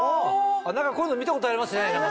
何かこういうの見たことありますね。